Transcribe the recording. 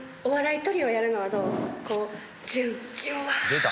出た。